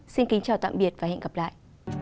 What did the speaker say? xin kính chào tạm biệt và hẹn gặp lại